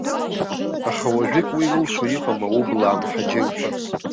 Аха уажәык уи рылшо иҟам аублаа мҳаџьырқәа.